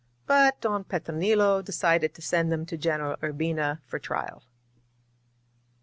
But Don Petronilo de cided to send them to Greneral Urbina for trial.